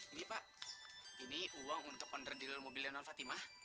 ini pak ini uang untuk penderdil mobil leonel fatimah